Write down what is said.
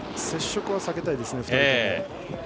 接触は避けたいです。